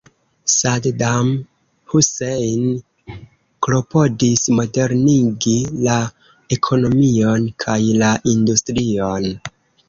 Saddam Hussein klopodis modernigi la ekonomion kaj la industrion.